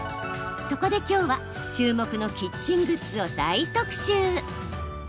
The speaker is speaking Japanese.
そこで、きょうは注目のキッチングッズを大特集！